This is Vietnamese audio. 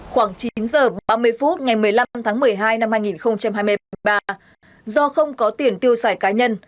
khoảng chín h ba mươi phút ngày một mươi năm tháng một mươi hai năm hai nghìn hai mươi ba do không có tiền tiêu xài cá nhân